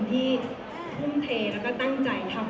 เสียงปลดมือจังกัน